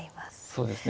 そうですね。